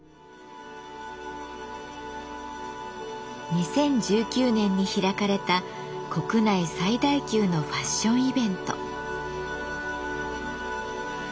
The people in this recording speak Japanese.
２０１９年に開かれた国内最大級のファッションイベント。